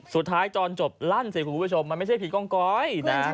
สุดท้ายตอนจบลั่นนิดเดียวเป็นผิดเกิ๊งกอย